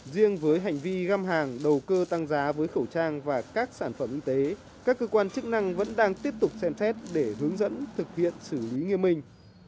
riêng với hành vi găm hàng đầu cơ tăng giá với khẩu trang và các sản phẩm y tế các cơ quan chức năng vẫn đang tiếp tục xem xét để hướng dẫn thực hiện xử lý nghiêm minh